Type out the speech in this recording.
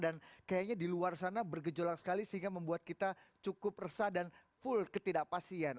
dan kayaknya di luar sana bergejolak sekali sehingga membuat kita cukup resah dan full ketidakpastian